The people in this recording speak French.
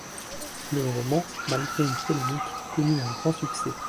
Le roman, malgré une polémique, connut un grand succès.